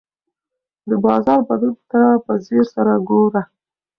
د بازار بدلون ته په ځیر سره ګوره.